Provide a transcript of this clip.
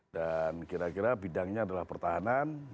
dan kira kira bidangnya adalah pertahanan